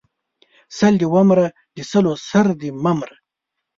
سل دې و مره، د سلو سر دې مه مره!